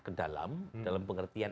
ke dalam dalam pengertian